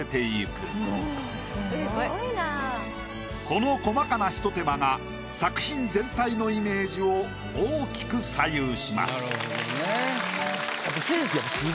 この細かなひと手間が作品全体のイメージを大きく左右します。